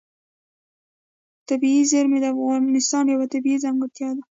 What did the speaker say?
طبیعي زیرمې د افغانستان یوه طبیعي ځانګړتیا ده.